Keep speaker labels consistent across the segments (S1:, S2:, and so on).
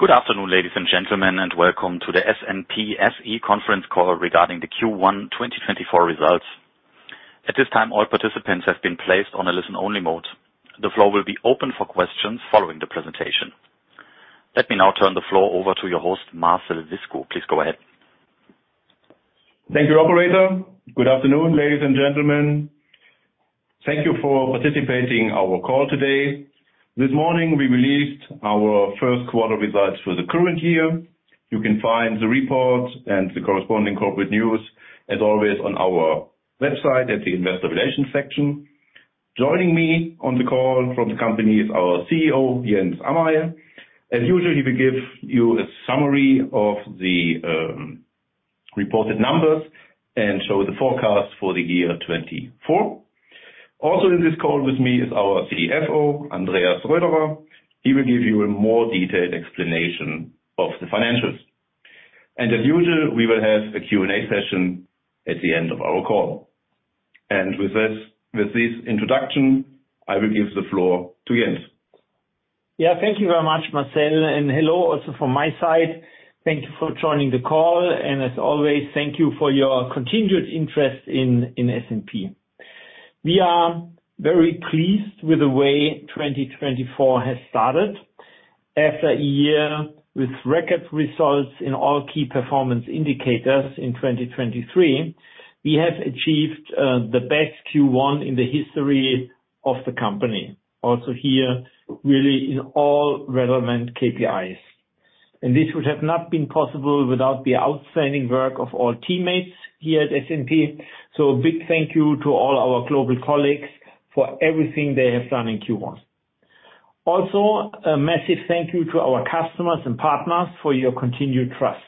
S1: Good afternoon, ladies and gentlemen, and welcome to the SNP SE conference call regarding the Q1 2024 results. At this time, all participants have been placed on a listen-only mode. The floor will be open for questions following the presentation. Let me now turn the floor over to your host, Marcel Wiskow. Please go ahead.
S2: Thank you, Operator. Good afternoon, ladies and gentlemen. Thank you for participating in our call today. This morning, we released our first quarter results for the current year. You can find the report and the corresponding corporate news, as always, on our website at the Investor Relations section. Joining me on the call from the company is our CEO, Jens Amail. As usual, he will give you a summary of the reported numbers and show the forecast for the year 2024. Also in this call with me is our CFO, Andreas Röderer. He will give you a more detailed explanation of the financials. And as usual, we will have a Q&A session at the end of our call. And with this introduction, I will give the floor to Jens.
S3: Yeah, thank you very much, Marcel. And hello also from my side. Thank you for joining the call. And as always, thank you for your continued interest in SNP. We are very pleased with the way 2024 has started. After a year with record results in all key performance indicators in 2023, we have achieved the best Q1 in the history of the company, also here, really in all relevant KPIs. And this would have not been possible without the outstanding work of all teammates here at SNP. So a big thank you to all our global colleagues for everything they have done in Q1. Also, a massive thank you to our customers and partners for your continued trust.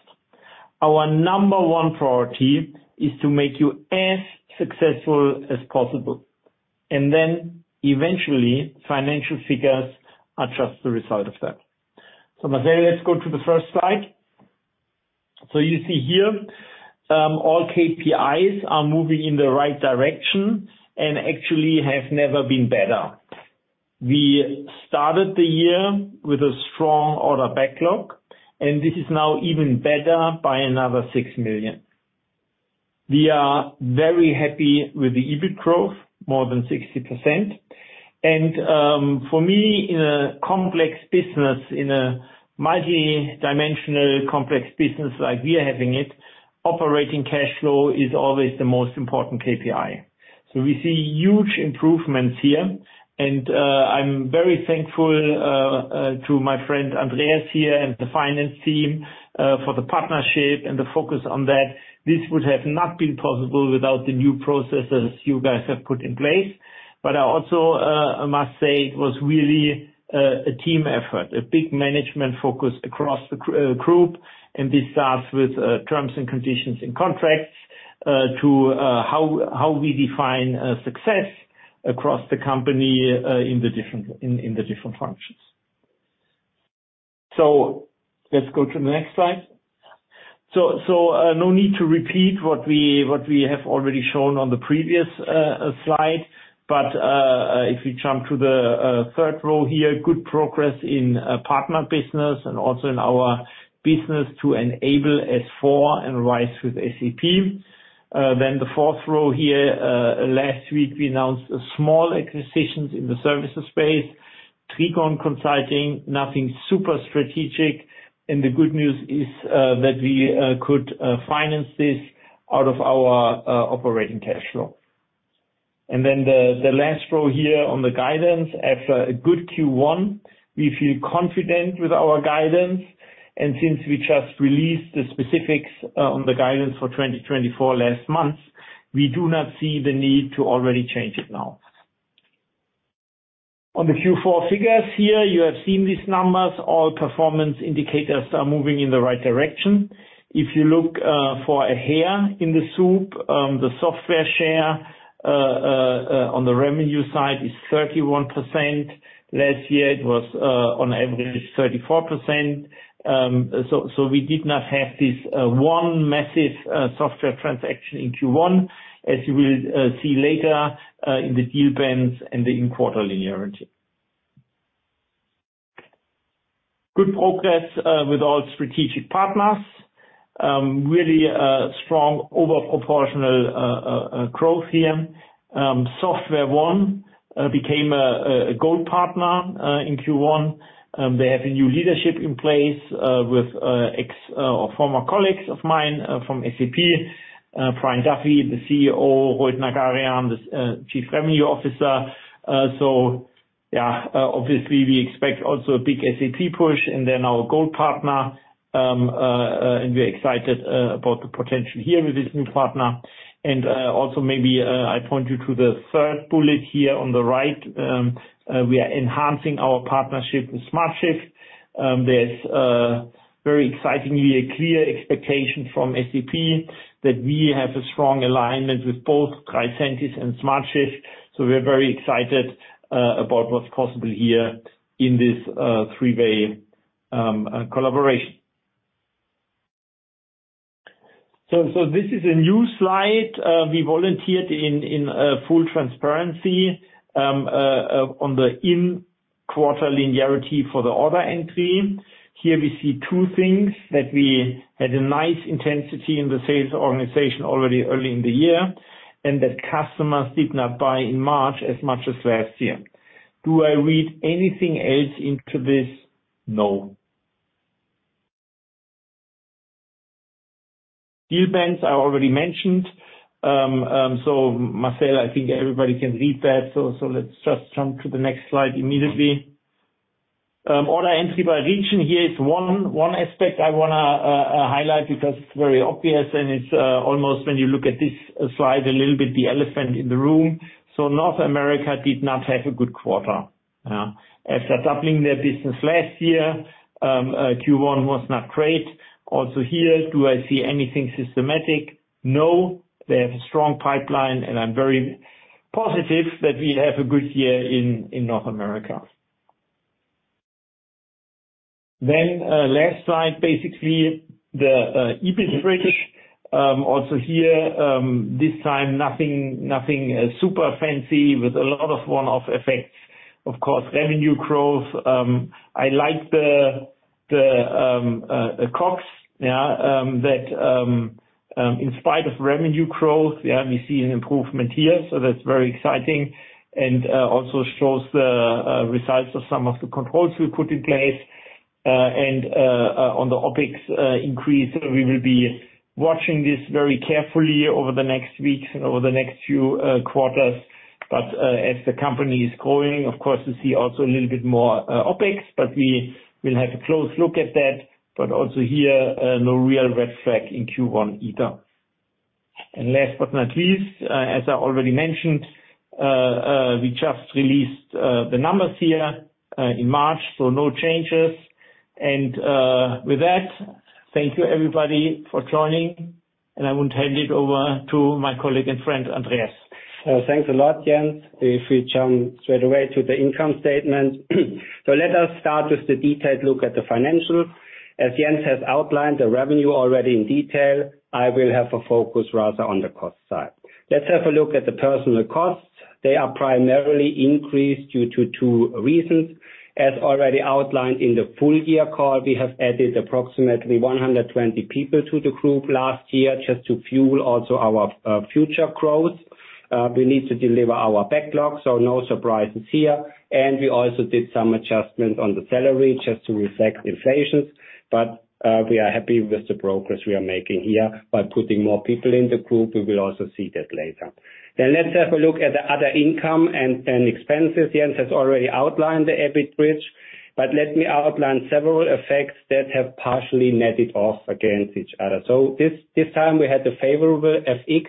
S3: Our number one priority is to make you as successful as possible. And then eventually, financial figures are just the result of that. So, Marcel, let's go to the first slide. You see here, all KPIs are moving in the right direction and actually have never been better. We started the year with a strong order backlog, and this is now even better by another 6 million. We are very happy with the EBIT growth, more than 60%. For me, in a complex business, in a multidimensional complex business like we are having it, operating cash flow is always the most important KPI. We see huge improvements here. I'm very thankful to my friend Andreas here and the finance team for the partnership and the focus on that. This would have not been possible without the new processes you guys have put in place. I also must say it was really a team effort, a big management focus across the group. This starts with terms and conditions in contracts to how we define success across the company in the different functions. So let's go to the next slide. So no need to repeat what we have already shown on the previous slide. But if we jump to the third row here, good progress in partner business and also in our business to enable S/4 and RISE with SAP. Then the fourth row here, last week, we announced small acquisitions in the services space, Trigon Consulting, nothing super strategic. And the good news is that we could finance this out of our operating cash flow. And then the last row here on the guidance, after a good Q1, we feel confident with our guidance. And since we just released the specifics on the guidance for 2024 last month, we do not see the need to already change it now. On the Q4 figures here, you have seen these numbers. All performance indicators are moving in the right direction. If you look for a hair in the soup, the software share on the revenue side is 31%. Last year, it was on average 34%. So we did not have this one massive software transaction in Q1, as you will see later in the deal bands and the in-quarter linearity. Good progress with all strategic partners. Really strong overproportional growth here. SoftwareOne became a Gold Partner in Q1. They have a new leadership in place with former colleagues of mine from SAP, Brian Duffy, the CEO, Rohit Nagarajan, the Chief Revenue Officer. So yeah, obviously, we expect also a big SAP push and then our Gold Partner. And we're excited about the potential here with this new partner. And also maybe I point you to the third bullet here on the right. We are enhancing our partnership with smartShift. There's very excitingly a clear expectation from SAP that we have a strong alignment with both Tricentis and smartShift. So we're very excited about what's possible here in this three-way collaboration. So this is a new slide. We volunteered in full transparency on the in-quarter linearity for the order entry. Here, we see two things: that we had a nice intensity in the sales organization already early in the year and that customers did not buy in March as much as last year. Do I read anything else into this? No. Deal bands I already mentioned. So, Marcel, I think everybody can read that. So let's just jump to the next slide immediately. Order entry by region here is one aspect I want to highlight because it's very obvious. It's almost when you look at this slide a little bit the elephant in the room. So North America did not have a good quarter. After doubling their business last year, Q1 was not great. Also here, do I see anything systematic? No. They have a strong pipeline. And I'm very positive that we have a good year in North America. Then last slide, basically, the EBIT bridge. Also here, this time, nothing super fancy with a lot of one-off effects. Of course, revenue growth. I like the COGS, yeah, that in spite of revenue growth, yeah, we see an improvement here. So that's very exciting and also shows the results of some of the controls we put in place. And on the OPEX increase, we will be watching this very carefully over the next weeks and over the next few quarters. But as the company is growing, of course, we see also a little bit more OPEX. But we will have a close look at that. But also here, no real red flag in Q1 either. And last but not least, as I already mentioned, we just released the numbers here in March. So no changes. And with that, thank you, everybody, for joining. And I would hand it over to my colleague and friend Andreas. So thanks a lot, Jens. If we jump straight away to the income statement. So let us start with the detailed look at the financials. As Jens has outlined the revenue already in detail, I will have a focus rather on the cost side. Let's have a look at the personnel costs. They are primarily increased due to two reasons. As already outlined in the full-year call, we have added approximately 120 people to the group last year just to fuel also our future growth. We need to deliver our backlog. So no surprises here. And we also did some adjustments on the salary just to reflect inflation. But we are happy with the progress we are making here by putting more people in the group. We will also see that later. Then let's have a look at the other income and expenses. Jens has already outlined the EBIT bridge. But let me outline several effects that have partially netted off against each other. So this time, we had a favorable FX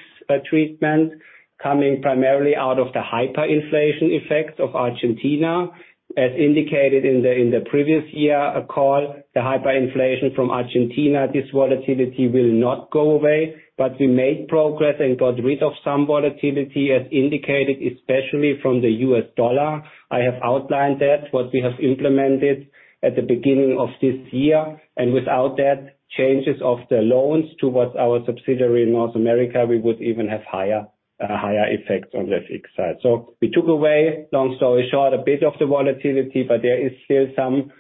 S3: treatment coming primarily out of the hyperinflation effects of Argentina. As indicated in the previous-year call, the hyperinflation from Argentina, this volatility will not go away. But we made progress and got rid of some volatility, as indicated, especially from the US dollar. I have outlined that, what we have implemented at the beginning of this year. And without that, changes of the loans towards our subsidiary in North America, we would even have higher effects on the FX side. So we took away, long story short, a bit of the volatility. But there is still some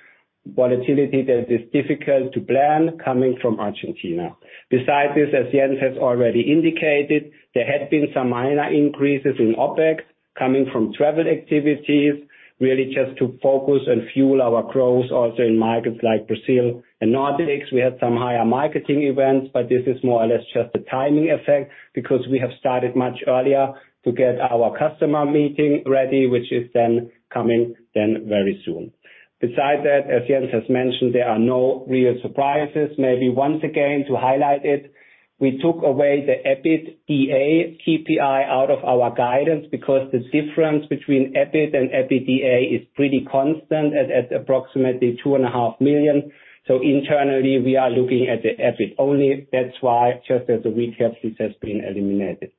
S3: volatility that is difficult to plan coming from Argentina. Beside this, as Jens has already indicated, there had been some minor increases in OPEX coming from travel activities, really just to focus and fuel our growth also in markets like Brazil and Nordics. We had some higher marketing events. But this is more or less just a timing effect because we have started much earlier to get our customer meeting ready, which is then coming then very soon. Besides that, as Jens has mentioned, there are no real surprises. Maybe once again, to highlight it, we took away the EBITDA KPI out of our guidance because the difference between EBIT and EBITDA is pretty constant at approximately 2.5 million. So internally, we are looking at the EBIT only. That's why, just as a recap, this has been eliminated.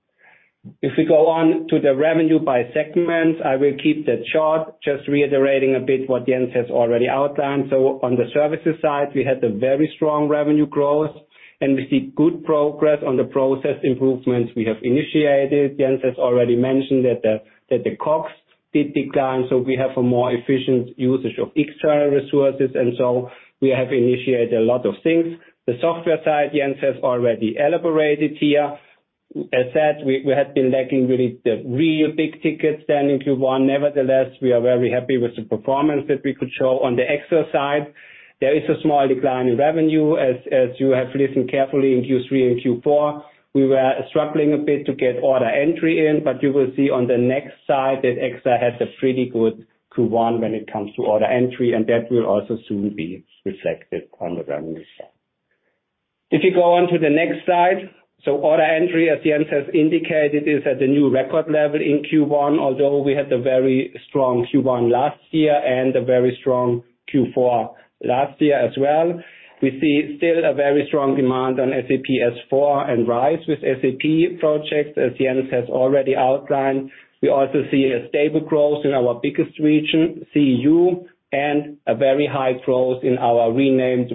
S3: If we go on to the revenue by segments, I will keep that short, just reiterating a bit what Jens has already outlined. So on the services side, we had a very strong revenue growth. And we see good progress on the process improvements we have initiated. Jens has already mentioned that the COGS did decline. So we have a more efficient usage of external resources. And so we have initiated a lot of things. The software side, Jens has already elaborated here. As said, we had been lacking really the real big tickets then in Q1. Nevertheless, we are very happy with the performance that we could show. On the EXA side, there is a small decline in revenue. As you have listened carefully in Q3 and Q4, we were struggling a bit to get order entry in. But you will see on the next slide that EXA had a pretty good Q1 when it comes to order entry. And that will also soon be reflected on the revenue side. If you go on to the next slide, so order entry, as Jens has indicated, is at the new record level in Q1, although we had a very strong Q1 last year and a very strong Q4 last year as well. We see still a very strong demand on SAP S/4 and RISE with SAP projects, as Jens has already outlined. We also see a stable growth in our biggest region, CEU, and a very high growth in our renamed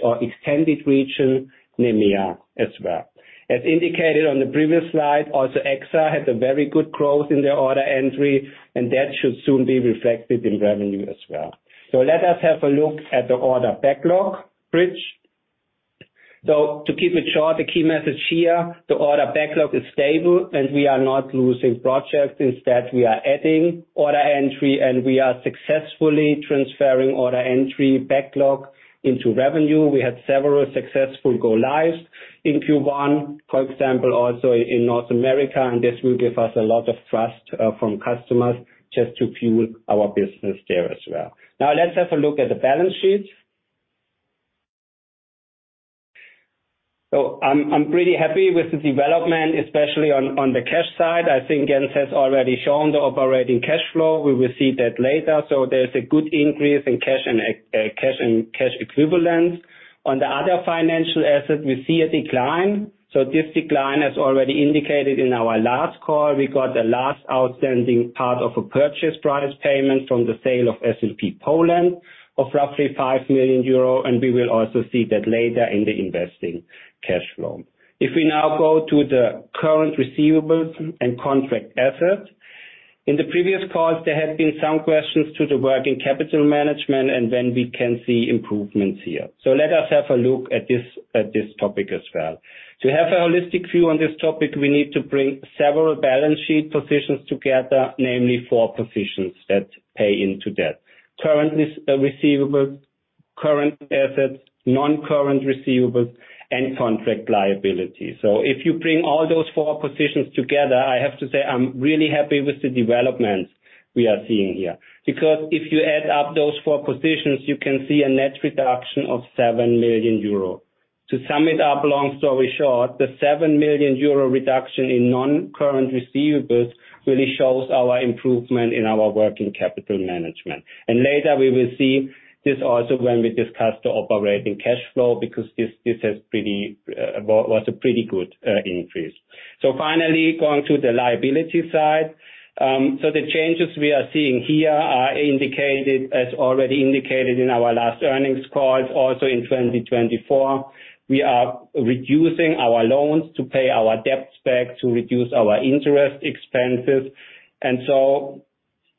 S3: or extended region, NEMEA, as well. As indicated on the previous slide, also EXA had a very good growth in their order entry. That should soon be reflected in revenue as well. Let us have a look at the order backlog bridge. To keep it short, the key message here, the order backlog is stable. We are not losing projects. Instead, we are adding order entry. We are successfully transferring order entry backlog into revenue. We had several successful go-lives in Q1, for example, also in North America. This will give us a lot of trust from customers just to fuel our business there as well. Now, let's have a look at the balance sheet. So I'm pretty happy with the development, especially on the cash side. I think Jens has already shown the operating cash flow. We will see that later. So there's a good increase in cash and cash equivalents. On the other financial asset, we see a decline. So this decline, as already indicated in our last call, we got the last outstanding part of a purchase price payment from the sale of SNP Poland of roughly 5 million euro. And we will also see that later in the investing cash flow. If we now go to the current receivables and contract assets, in the previous calls, there had been some questions to the working capital management. And then we can see improvements here. So let us have a look at this topic as well. To have a holistic view on this topic, we need to bring several balance sheet positions together, namely four positions that pay into debt: current receivables, current assets, non-current receivables, and contract liabilities. So if you bring all those four positions together, I have to say I'm really happy with the developments we are seeing here. Because if you add up those four positions, you can see a net reduction of 7 million euro. To sum it up, long story short, the 7 million euro reduction in non-current receivables really shows our improvement in our working capital management. And later, we will see this also when we discuss the operating cash flow because this was a pretty good increase. So finally, going to the liability side, so the changes we are seeing here are indicated, as already indicated in our last earnings calls, also in 2024. We are reducing our loans to pay our debts back, to reduce our interest expenses. So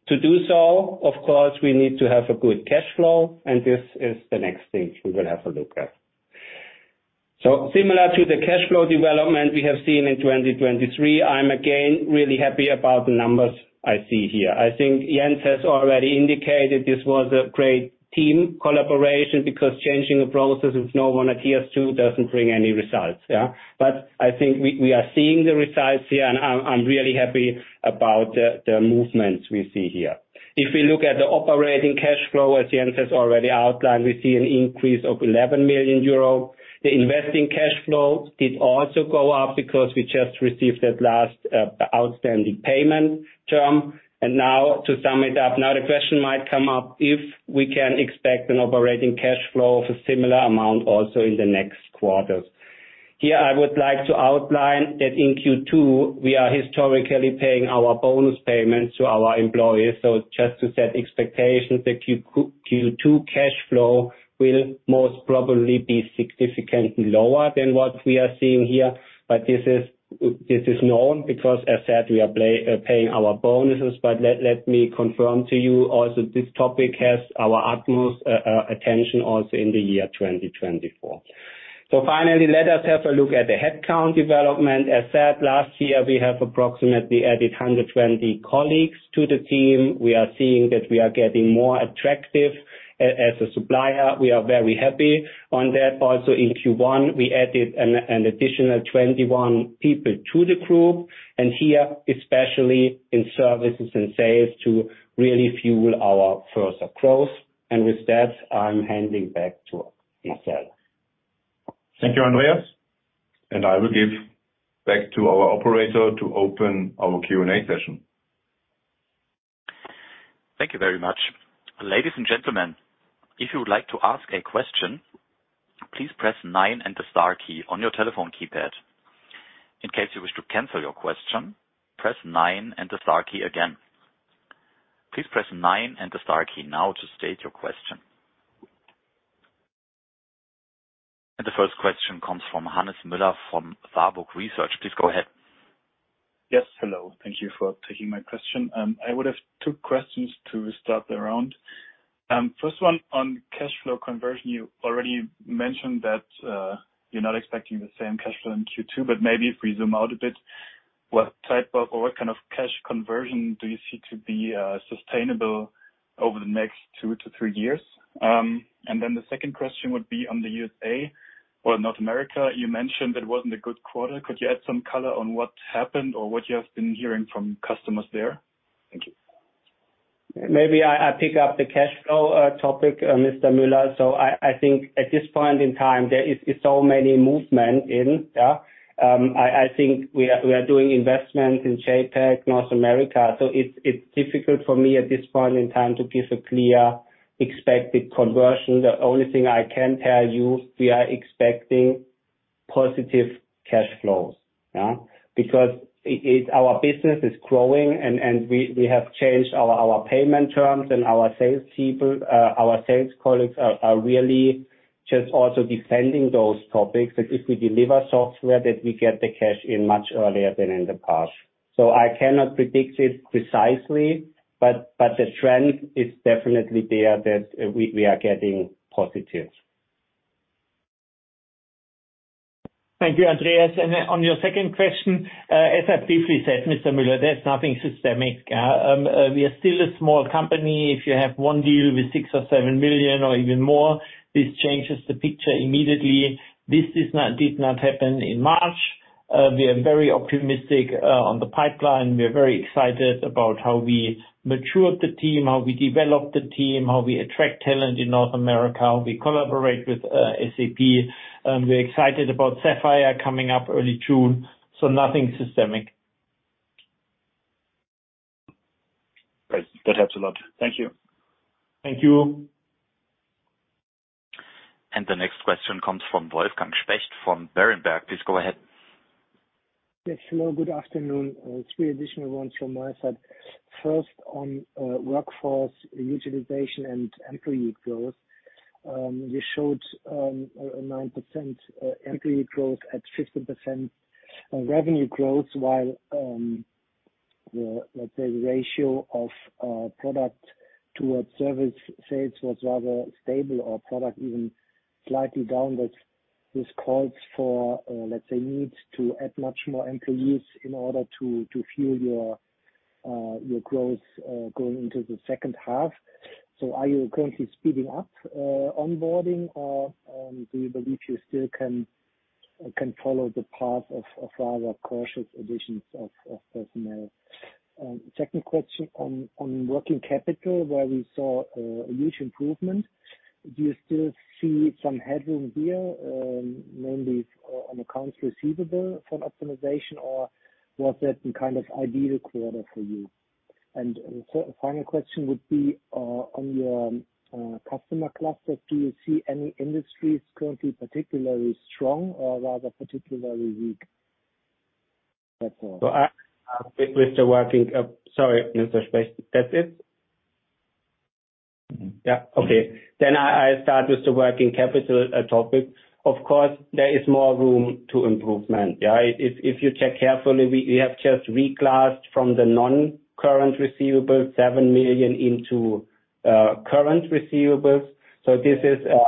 S3: to do so, of course, we need to have a good cash flow. This is the next thing we will have a look at. Similar to the cash flow development we have seen in 2023, I'm again really happy about the numbers I see here. I think Jens has already indicated this was a great team collaboration because changing a process if no one adheres to doesn't bring any results, yeah? But I think we are seeing the results here. I'm really happy about the movements we see here. If we look at the operating cash flow, as Jens has already outlined, we see an increase of 11 million euro. The investing cash flow did also go up because we just received that last outstanding payment term. And now, to sum it up, now the question might come up if we can expect an operating cash flow of a similar amount also in the next quarters. Here, I would like to outline that in Q2, we are historically paying our bonus payments to our employees. So just to set expectations, the Q2 cash flow will most probably be significantly lower than what we are seeing here. But this is known because, as said, we are paying our bonuses. But let me confirm to you also, this topic has our utmost attention also in the year 2024. So finally, let us have a look at the headcount development. As said, last year, we have approximately added 120 colleagues to the team. We are seeing that we are getting more attractive as a supplier. We are very happy on that. Also, in Q1, we added an additional 21 people to the group. Here, especially in services and sales, to really fuel our further growth. With that, I'm handing back to Marcel.
S2: Thank you, Andreas. I will give back to our operator to open our Q&A session.
S1: Thank you very much. Ladies and gentlemen, if you would like to ask a question, please press 9 and the star key on your telephone keypad. In case you wish to cancel your question, press 9 and the star key again. Please press 9 and the star key now to state your question. And the first question comes from Hannes Müller from Warburg Research. Please go ahead.
S4: Yes. Hello. Thank you for taking my question. I would have two questions to start the round. First one, on cash flow conversion, you already mentioned that you're not expecting the same cash flow in Q2. But maybe if we zoom out a bit, what type of or what kind of cash conversion do you see to be sustainable over the next two to three years? And then the second question would be on the USA or North America. You mentioned it wasn't a good quarter. Could you add some color on what happened or what you have been hearing from customers there? Thank you.
S5: Maybe I pick up the cash flow topic, Mr. Müller. So I think at this point in time, there is so many movement in, yeah? I think we are doing investments in JAPAC, North America. So it's difficult for me at this point in time to give a clear expected conversion. The only thing I can tell you, we are expecting positive cash flows, yeah? Because our business is growing. And we have changed our payment terms. And our sales people, our sales colleagues are really just also defending those topics. That if we deliver software, that we get the cash in much earlier than in the past. So I cannot predict it precisely. But the trend is definitely there that we are getting positive.
S3: Thank you, Andreas. On your second question, as I briefly said, Mr. Müller, there's nothing systemic, yeah? We are still a small company. If you have one deal with 6 million or 7 million or even more, this changes the picture immediately. This did not happen in March. We are very optimistic on the pipeline. We are very excited about how we matured the team, how we developed the team, how we attract talent in North America, how we collaborate with SAP. We're excited about Sapphire coming up early June. Nothing systemic.
S2: That helps a lot. Thank you.
S5: Thank you.
S1: The next question comes from Wolfgang Specht from Berenberg. Please go ahead.
S4: Yes. Hello. Good afternoon. Three additional ones from my side. First, on workforce utilization and employee growth, you showed a 9% employee growth at 15% revenue growth. While, let's say, the ratio of product towards service sales was rather stable or product even slightly down, this calls for, let's say, needs to add much more employees in order to fuel your growth going into the second half. So are you currently speeding up onboarding? Or do you believe you still can follow the path of rather cautious additions of personnel? Second question, on working capital, where we saw a huge improvement, do you still see some headroom here, namely on accounts receivable for optimization? Or was that kind of ideal quarter for you? And final question would be, on your customer cluster, do you see any industries currently particularly strong or rather particularly weak? That's all.
S3: So with the working, sorry, Mr. Specht. That's it? Yeah. Okay. Then I start with the working capital topic. Of course, there is more room to improvement, yeah? If you check carefully, we have just reclassed from the non-current receivables 7 million into current receivables. So this is a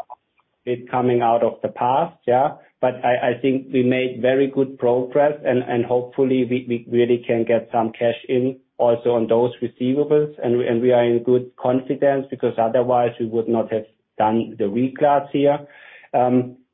S3: bit coming out of the past, yeah? But I think we made very good progress. And hopefully, we really can get some cash in also on those receivables. And we are in good confidence because otherwise, we would not have done the reclass here.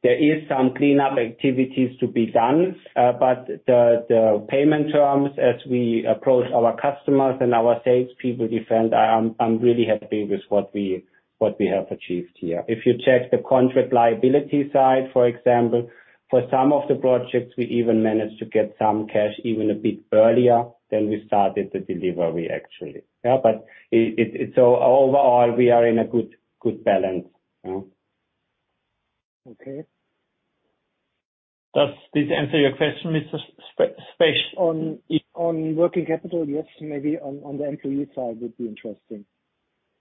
S3: There is some cleanup activities to be done. But the payment terms, as we approach our customers and our salespeople defend, I'm really happy with what we have achieved here. If you check the contract liability side, for example, for some of the projects, we even managed to get some cash even a bit earlier than we started the delivery, actually, yeah? But so overall, we are in a good balance, yeah?
S4: Okay.
S5: Does this answer your question, Mr. Specht?
S4: On working capital, yes. Maybe on the employee side would be interesting.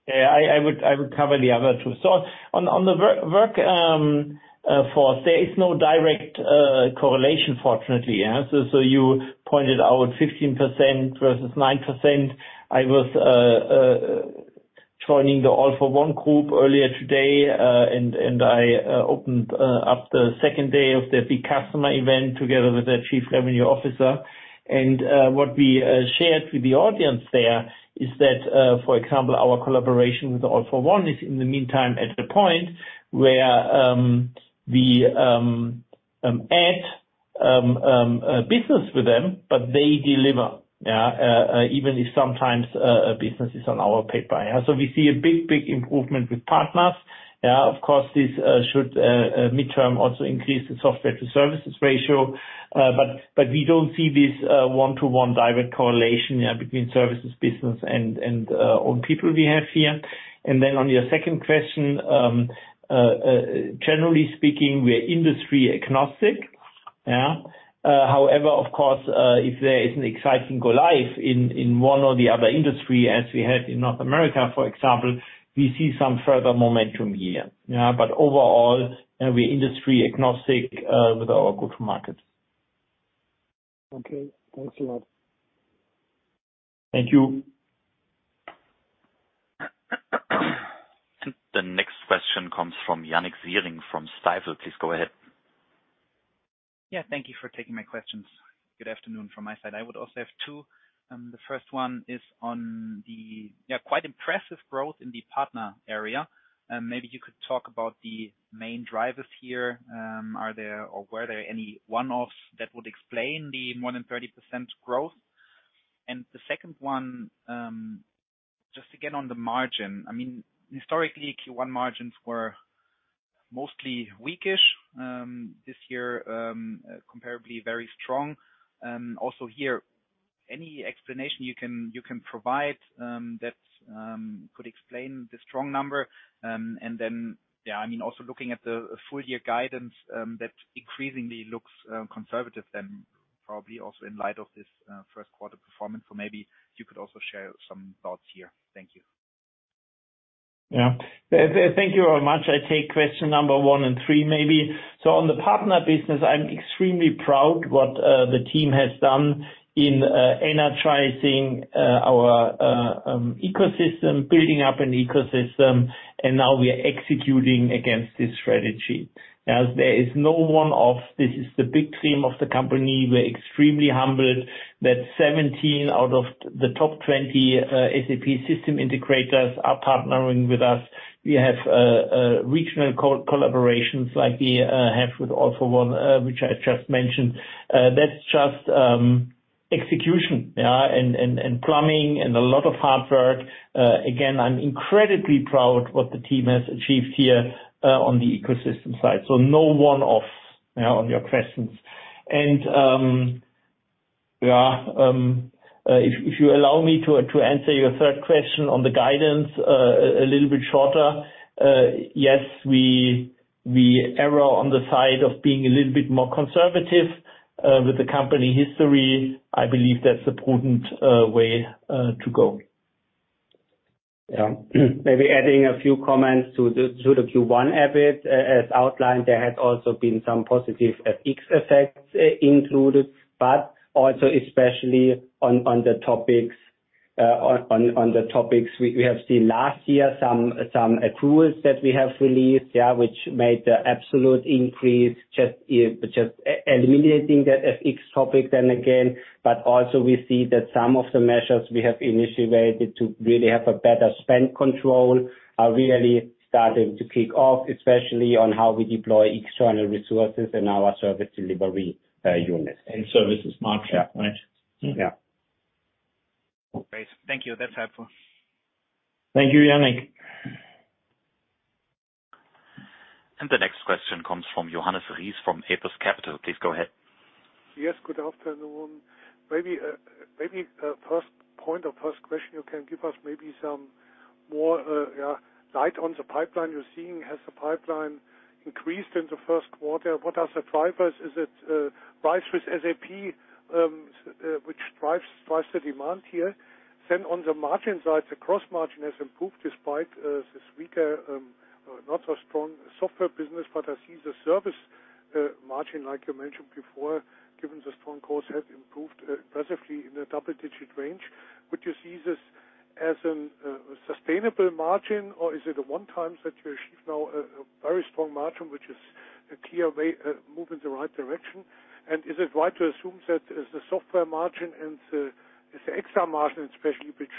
S5: Yeah. I would cover the other two. So on the workforce, there is no direct correlation, fortunately, yeah? So you pointed out 15% versus 9%. I was joining the All for One Group earlier today. And I opened up the second day of the big customer event together with the Chief Revenue Officer. And what we shared with the audience there is that, for example, our collaboration with All for One Group is, in the meantime, at a point where we add business with them. But they deliver, yeah, even if sometimes business is on our paper, yeah? So we see a big, big improvement with partners, yeah? Of course, this should, midterm, also increase the software-to-services ratio. But we don't see this one-to-one direct correlation, yeah, between services, business, and own people we have here. And then on your second question, generally speaking, we are industry-agnostic, yeah? However, of course, if there is an exciting go-live in one or the other industry, as we had in North America, for example, we see some further momentum here, yeah? But overall, we are industry-agnostic with our go-to-market.
S4: Okay. Thanks a lot.
S5: Thank you.
S1: The next question comes from Jannik Siering from Stifel. Please go ahead.
S4: Yeah. Thank you for taking my questions. Good afternoon from my side. I would also have two. The first one is on the, yeah, quite impressive growth in the partner area. Maybe you could talk about the main drivers here. Are there or were there any one-offs that would explain the more than 30% growth? And the second one, just again, on the margin, I mean, historically, Q1 margins were mostly weakish. This year, comparably, very strong. Also here, any explanation you can provide that could explain the strong number? And then, yeah, I mean, also looking at the full-year guidance that increasingly looks conservative then, probably also in light of this first-quarter performance. So maybe you could also share some thoughts here. Thank you.
S5: Yeah. Thank you very much. I take question number 1 and 3, maybe. So on the partner business, I'm extremely proud of what the team has done in energizing our ecosystem, building up an ecosystem. And now, we are executing against this strategy, yeah? There is no one-off. This is the big dream of the company. We're extremely humbled that 17 out of the top 20 SAP system integrators are partnering with us. We have regional collaborations like we have with All for One, which I just mentioned. That's just execution, yeah, and plumbing and a lot of hard work. Again, I'm incredibly proud of what the team has achieved here on the ecosystem side. So no one-offs, yeah, on your questions. And yeah, if you allow me to answer your third question on the guidance a little bit shorter, yes, we err on the side of being a little bit more conservative with the company history. I believe that's a prudent way to go.
S3: Yeah. Maybe adding a few comments to the Q1 effect. As outlined, there had also been some positive FX effects included. But also, especially on the topics we have seen last year, some accruals that we have released, yeah, which made the absolute increase, just eliminating that FX topic then again. But also, we see that some of the measures we have initiated to really have a better spend control are really starting to kick off, especially on how we deploy external resources in our service delivery unit.
S5: Services market, right?
S3: Yeah.
S4: Great. Thank you. That's helpful.
S5: Thank you, Jannik.
S1: The next question comes from Johannes Ries from Apus Capital. Please go ahead.
S6: Yes. Good afternoon. Maybe first point or first question, you can give us maybe some more, yeah, light on the pipeline you're seeing. Has the pipeline increased in the first quarter? What are the drivers? Is it RISE with SAP, which drives the demand here? Then on the margin side, the gross margin has improved despite this weaker, not so strong software business. But I see the service margin, like you mentioned before, given the strong cost, has improved impressively in the double-digit range. Would you see this as a sustainable margin? Or is it a one-time that you achieve now a very strong margin, which is a clear move in the right direction? And is it right to assume that the software margin and the other margin, especially, which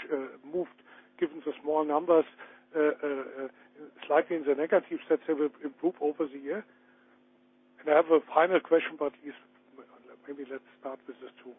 S6: moved, given the small numbers, slightly in the negative, that they will improve over the year? I have a final question. Maybe let's start with this two.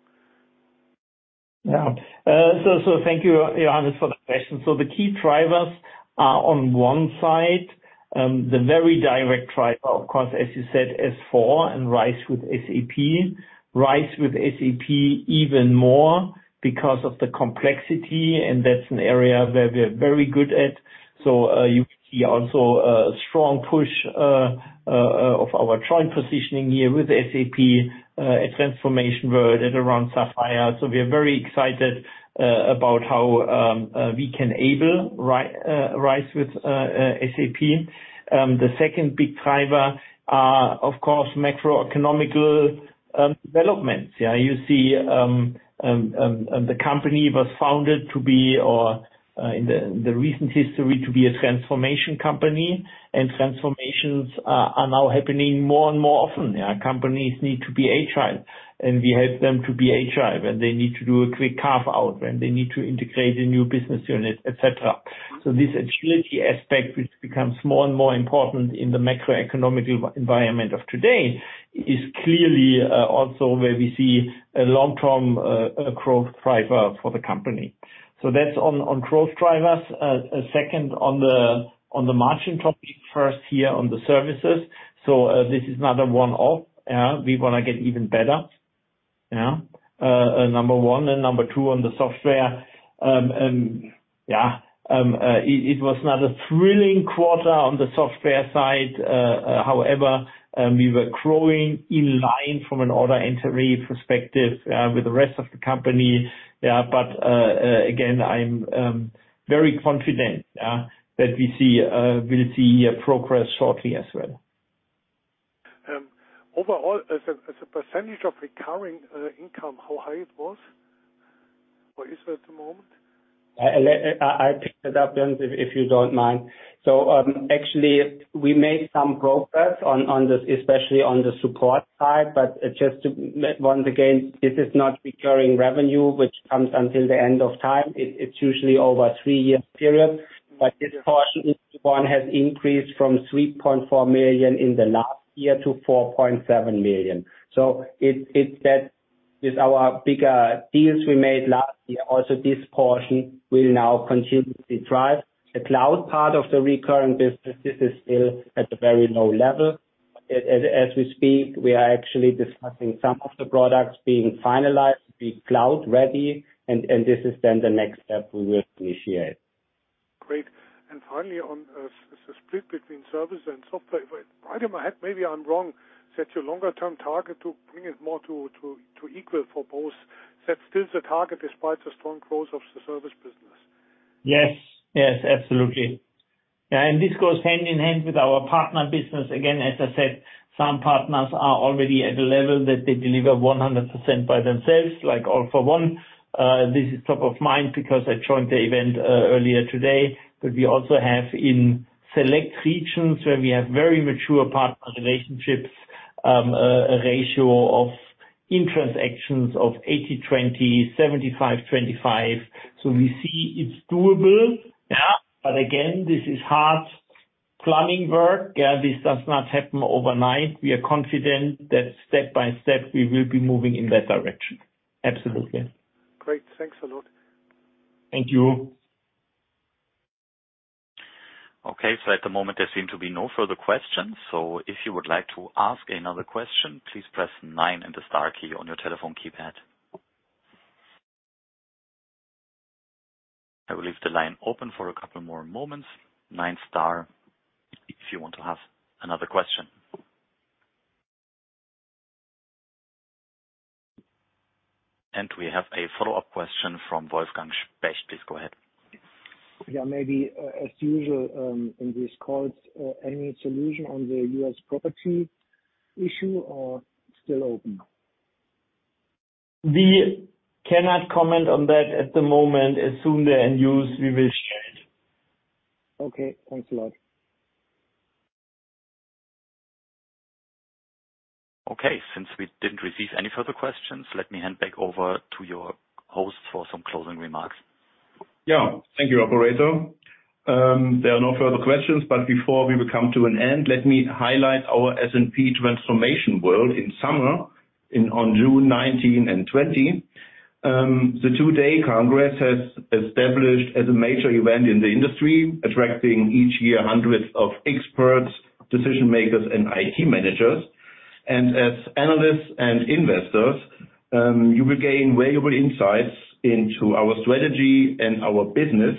S5: Yeah. So thank you, Johannes, for the question. So the key drivers are on one side, the very direct driver, of course, as you said, S/4 and RISE with SAP, RISE with SAP even more because of the complexity. And that's an area where we are very good at. So you see also a strong push of our joint positioning here with SAP at Transformation World at around Sapphire. So we are very excited about how we can enable RISE with SAP. The second big driver are, of course, macroeconomic developments, yeah? You see the company was founded to be, or in the recent history, to be a transformation company. And transformations are now happening more and more often, yeah? Companies need to be agile. And we help them to be agile. And they need to do a quick carve-out. And they need to integrate a new business unit, etc. So this agility aspect, which becomes more and more important in the macroeconomic environment of today, is clearly also where we see a long-term growth driver for the company. So that's on growth drivers. Second, on the margin topic, first here on the services. So this is another one-off, yeah? We want to get even better, yeah, number one. And number two, on the software, yeah, it was not a thrilling quarter on the software side. However, we were growing in line from an order entry perspective, yeah, with the rest of the company, yeah? But again, I'm very confident, yeah, that we will see progress shortly as well.
S6: Overall, as a percentage of recurring income, how high it was? Or is it at the moment?
S3: I picked it up, Jannik, if you don't mind. So actually, we made some progress, especially on the support side. But just once again, this is not recurring revenue, which comes until the end of time. It's usually over a 3-year period. But this portion in Q1 has increased from 3.4 million in the last year to 4.7 million. So with our bigger deals we made last year, also this portion will now continuously drive. The cloud part of the recurring business, this is still at a very low level. But as we speak, we are actually discussing some of the products being finalized, being cloud-ready. This is then the next step we will initiate.
S6: Great. Finally, on the split between service and software, right in my head, maybe I'm wrong, set your longer-term target to bring it more to equal for both. That's still the target despite the strong growth of the service business?
S3: Yes. Yes. Absolutely. Yeah. And this goes hand in hand with our partner business. Again, as I said, some partners are already at a level that they deliver 100% by themselves, like All for One. This is top of mind because I joined the event earlier today. But we also have in select regions where we have very mature partner relationships, a ratio of in transactions of 80/20, 75/25. So we see it's doable, yeah? But again, this is hard plumbing work, yeah? This does not happen overnight. We are confident that step by step, we will be moving in that direction. Absolutely.
S6: Great. Thanks a lot.
S3: Thank you.
S1: Okay. So at the moment, there seem to be no further questions. So if you would like to ask another question, please press 9 and the star key on your telephone keypad. I will leave the line open for a couple more moments. 9 star if you want to have another question. And we have a follow-up question from Wolfgang Specht. Please go ahead.
S4: Yeah. Maybe as usual in these calls, any solution on the U.S. property issue or still open?
S5: We cannot comment on that at the moment. As soon as they're in use, we will share it.
S4: Okay. Thanks a lot.
S1: Okay. Since we didn't receive any further questions, let me hand back over to your host for some closing remarks.
S2: Yeah. Thank you, operator. There are no further questions. But before we come to an end, let me highlight our SNP Transformation World in summer on June 19 and 20. The two-day congress has established as a major event in the industry, attracting each year hundreds of experts, decision-makers, and IT managers. And as analysts and investors, you will gain valuable insights into our strategy and our business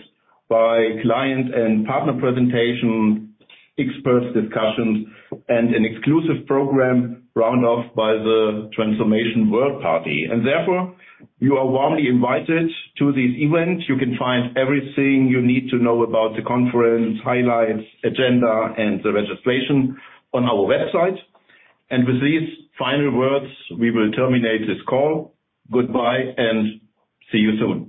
S2: by client and partner presentation, experts' discussions, and an exclusive program rounded off by the Transformation World Party. And therefore, you are warmly invited to this event. You can find everything you need to know about the conference, highlights, agenda, and the registration on our website. And with these final words, we will terminate this call. Goodbye. And see you soon.